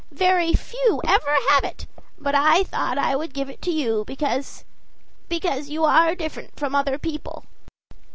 Very few ever have it; but I thought I would give it to you, because because you are different from other people."